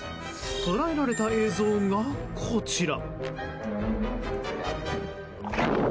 捉えられた映像がこちら。